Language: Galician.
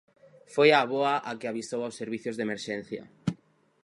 Foi a avoa a que avisou aos servizos de emerxencia.